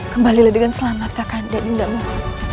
kembalilah dengan selamat kakanda dinda mohon